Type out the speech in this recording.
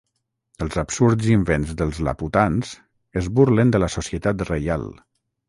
Els absurds invents dels Laputans es burlen de la Societat Reial.